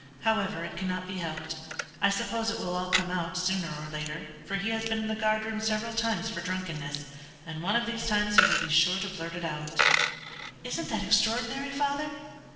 However, it cannot be helped. I suppose it will all come out, sooner or later, for he has been in the guardroom several times for drunkenness, and one of these times he will be sure to blurt it out.'" "Isn't that extraordinary, father?"